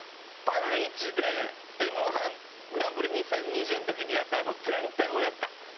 パンイチでＭ−１グランプリ２０２０の時にやったあの前転をやった。